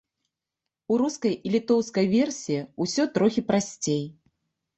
У рускай і літоўскай версіі ўсё трохі прасцей.